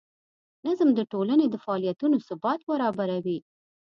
نظم د ټولنې د فعالیتونو ثبات برابروي.